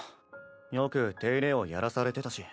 よく手入れをやらされてたし。